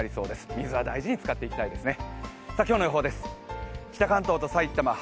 水は大事に使っていきたいですね。